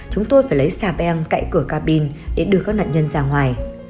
chúng tôi phải lấy xà beng cậy cửa cabin để đưa các nạn nhân ra ngoài